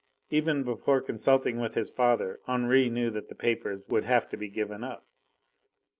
Even before consulting with his father, Henri knew that the papers would have to be given up.